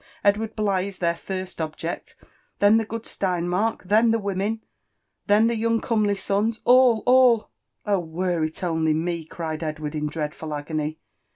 Edward Bligh is their first object— then the good gleiniiȤL?ii rrlhen the women— then the young comely sons r^aU l aU I" '* Oh ! werei^it only me V* cried Edward in dreadful agony.